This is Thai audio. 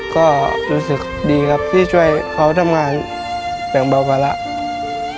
ก็รู้สึกดีครับที่ช่วยเขาทำงานอย่างเบาไปแล้ว